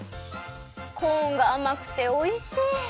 コーンがあまくておいしい！